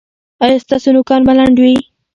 ایا ستاسو نوکان به لنډ وي؟